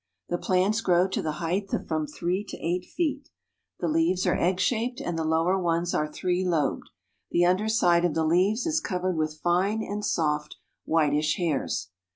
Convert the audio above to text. The plants grow to the height of from three to eight feet. The leaves are egg shaped and the lower ones are three lobed. The under side of the leaves is covered with fine and soft whitish hairs.